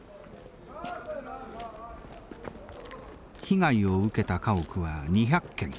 被害を受けた家屋は２００軒。